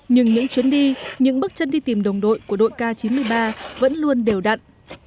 nhưng những chuyến đi những bước chân đi tìm đồng đội của đội k chín mươi ba vẫn luôn đều đặn